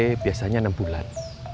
kalau bpkb biasanya enam bulan